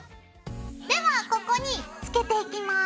ではここにつけていきます。